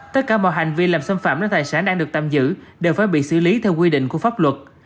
tất cả mọi hành vi làm xâm phạm đến tài sản đang được tạm giữ đều phải bị xử lý theo quy định của pháp luật